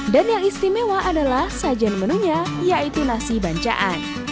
dan yang istimewa adalah sajian menunya yaitu nasi bancaan